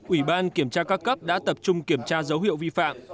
ủy ban kiểm tra các cấp đã tập trung kiểm tra dấu hiệu vi phạm